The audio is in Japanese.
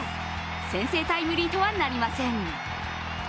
先制タイムリーとはなりません。